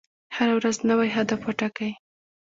هره ورځ نوی هدف وټاکئ.